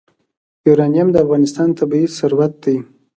یورانیم د افغانستان طبعي ثروت دی.